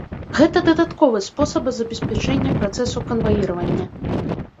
Гэта дадатковы спосаб забеспячэння працэсу канваіравання.